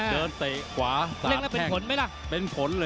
เกินเตะขวาสารแท่งเป็นผลเลยนะ